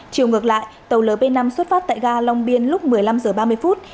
chiều ngược lại tàu lp năm xuất phát tại ga long biên lúc một mươi năm h ba mươi phút